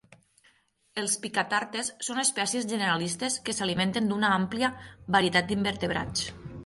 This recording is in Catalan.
Els picathartes són espècies generalistes que s'alimenten d'una àmplia varietat d'invertebrats.